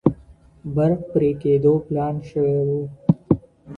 برق پرې کېدو پلان شوی و.